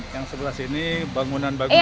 yang sebelah sini bangunan bangunan lama